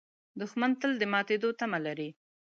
دښمن تل د ماتېدو تمه لري